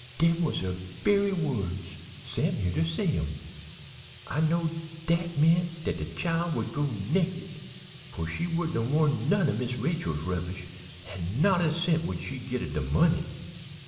Dem was her ve'y words. Sam heared her say 'em. I knowed dat meant dat de chile would go naked, for she wouldn't a worn none o' Miss Rachel's rubbish, an' not a cent would she git o' de money.